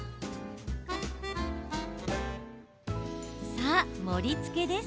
さあ、盛りつけです。